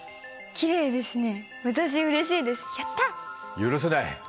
許せない。